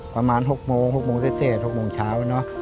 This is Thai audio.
ประมาณ๖โมง๖โมงเทศ๖โมงเช้า